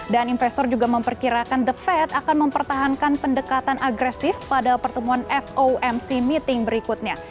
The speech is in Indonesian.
dan investor juga memperkirakan the fed akan mempertahankan pendekatan agresif pada pertemuan fomc meeting berikutnya